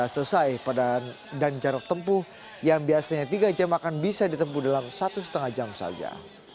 jalan tol balikpapan segera selesai pada dan jarak tempuh yang biasanya tiga jam akan bisa ditempuh dalam satu lima jam saja